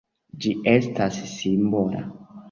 Ĝi estas simbola.